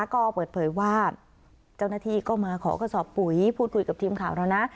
ก็เปิดเผยว่าเจ้าหน้าที่ก็มาขอกระสอบปุ๋ยพูดคุยกับทีมข่าวเรานะ